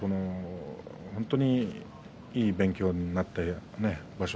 本当にいい勉強になりました。